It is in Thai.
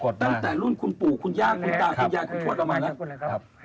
ตั้งแต่รุ่นคุณปู่คุณญาคุณตาคุณพวดเรามาแล้ว